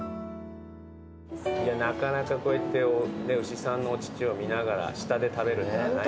なかなかこうやって牛さんのお乳を見ながら下で食べるとかない。